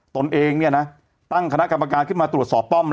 ตนเองตั้งคณะกรรมการขึ้นมาตรวจสอบป้อม